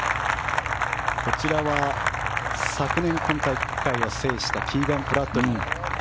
こちらは昨年今大会を制したキーガン・ブラッドリー。